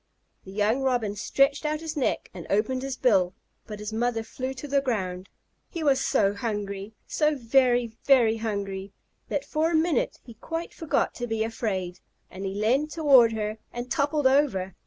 The young Robin stretched out his neck and opened his bill but his mother flew to the ground. He was so hungry so very, very hungry, that for a minute he quite forgot to be afraid, and he leaned toward her and toppled over.